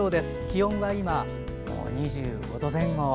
気温は今、２５度前後。